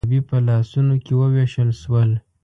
ډبي په لاسونو کې ووېشل شول.